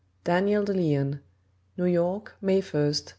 DANIEL DE LEON. New York, May 1, 1904.